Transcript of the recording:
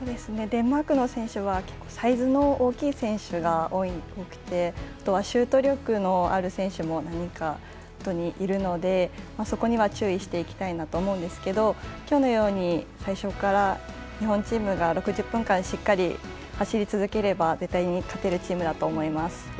デンマークの選手はサイズの大きい選手が多くてあとはシュート力のある選手もいるのでそこには注意していきたいなと思うんですけどきょうのように最初から日本チームが６０分間しっかり走り続ければ絶対に勝てるチームだと思います。